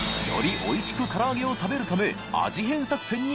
おいしくからあげを食べるため磴